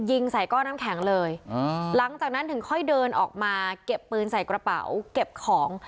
ยิงใส่ก้อนน้ำแข็งเลยหลังจากนั้นถึงค่อยเดินออกมาเก็บปืนใส่กระเป๋าเก็บของ